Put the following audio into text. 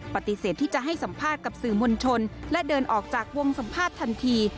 ปฏิเสธที่จะให้สัมภาษณ์กับสื่อมวลชนและเดินออกจากวงสัมภาษณ์ทันที